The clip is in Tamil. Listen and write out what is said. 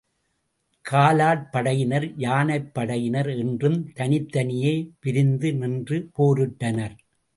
காலாட்படையினர், யானைப்படையினர் என்றும் தனித்தனியே பிரிந்து நின்று போரிட்டனர்.